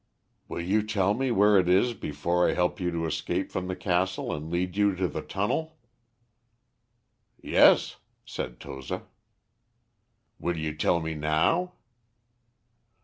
"Will you tell me where it is before I help you to escape from the castle and lead you to the tunnel?" "Yes," said Toza. "Will you tell me now?"